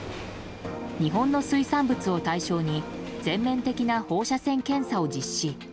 日本の水産物を対象に全面的な放射線検査を実施。